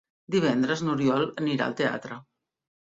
Divendres n'Oriol anirà al teatre.